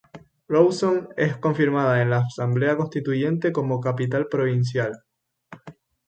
Rawson es confirmada en la asamblea constituyente como capital provincial.